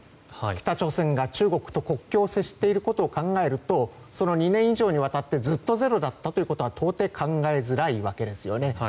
北朝鮮が中国と国境を接していることを考えるとその２年以上にわたってずっとゼロだったということは到底、考えづらいですね。